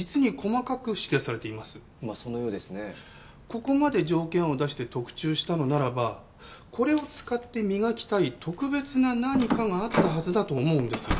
ここまで条件を出して特注したのならばこれを使って磨きたい特別な何かがあったはずだと思うんです。